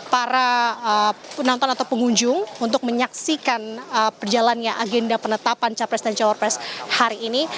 para penonton atau pengunjung untuk menyaksikan perjalannya agenda penetapan capres dan cawapres hari ini